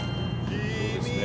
そうですね。